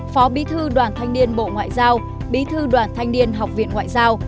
phó bí thư đoàn thanh niên bộ ngoại giao bí thư đoàn thanh niên học viện ngoại giao